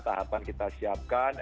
tahapan kita siapkan